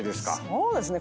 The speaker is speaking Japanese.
そうですね。